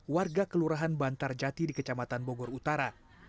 warga kelurahan bantar jati di kecamatan bogor utara